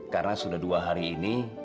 karena sudah dua hari ini